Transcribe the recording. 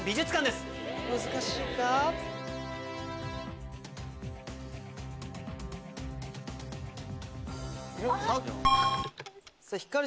難しいか？